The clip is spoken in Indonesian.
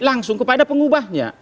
langsung kepada pengubahnya